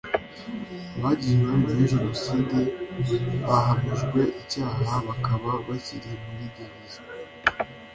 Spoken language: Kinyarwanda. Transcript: abagize uruhare muri jenoside bahamijwe icyaha bakaba bakiri muri gereza